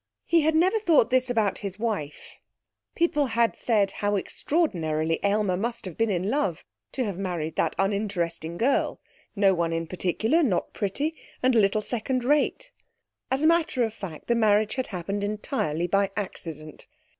He had never thought this about his wife People had said how extraordinarily Aylmer must have been in love to have married that uninteresting girl, no one in particular, not pretty and a little second rate. As a matter of fact the marriage had happened entirely by accident.